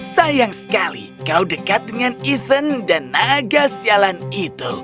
sayang sekali kau dekat dengan event dan naga sialan itu